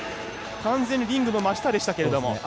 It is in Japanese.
完全にリングの真下でしたけれども。